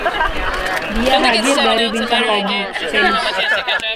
Dia hadir dari Bintang Pagi, Venus.